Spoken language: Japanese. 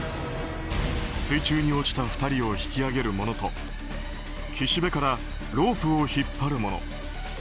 水中に落ちた２人を引き上げる者と岸辺からロープを引っ張る者。